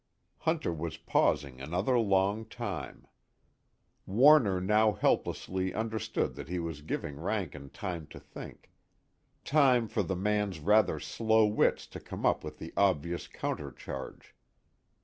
Hunter was pausing another long time. Warner now helplessly understood that he was giving Rankin time to think, time for the man's rather slow wits to come up with the obvious countercharge.